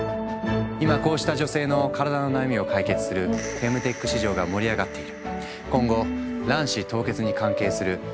今こうした女性の体の悩みを解決するフェムテック市場が盛り上がっている。